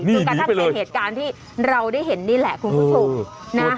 คือกระทั่งเป็นเหตุการณ์ที่เราได้เห็นนี่แหละคุณผู้ชมนะ